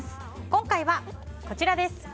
今回は、こちらです。